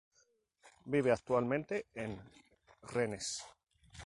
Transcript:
Vive actualmente en Rennes.